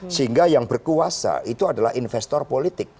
sehingga yang berkuasa itu adalah investor politik